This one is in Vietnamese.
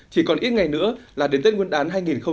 chỉ còn ít ngày nữa là đến tết nguyên đán hai nghìn hai mươi